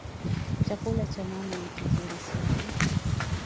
Chakula cha mama ni kizuri sana